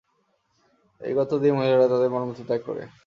এই গর্ত দিয়েই মহিলারা তাদের মল-মূত্র ত্যাগ করে।